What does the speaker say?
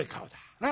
なあ。